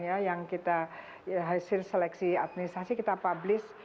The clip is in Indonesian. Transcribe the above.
yang kita hasil seleksi administrasi kita publis